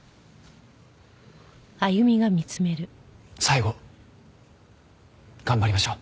最後頑張りましょう。